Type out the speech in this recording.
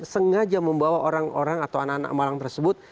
sengaja membawa orang orang atau anak anak malang tersebut